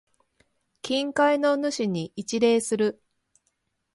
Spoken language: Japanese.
近海の主に一礼する。